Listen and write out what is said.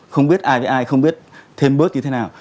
không biết ai với ai không biết thêm bớt như thế nào